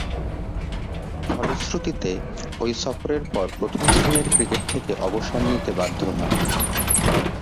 ফলশ্রুতিতে ঐ সফরের পর প্রথম-শ্রেণীর ক্রিকেট থেকে অবসর নিতে বাধ্য হন।